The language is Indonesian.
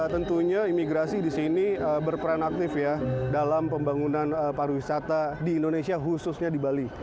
tentunya imigrasi di sini berperan aktif ya dalam pembangunan pariwisata di indonesia khususnya di bali